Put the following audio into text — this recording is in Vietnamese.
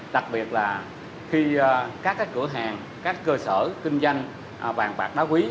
đặc biệt là khi các cửa hàng các cơ sở kinh doanh vàng bạc đá quý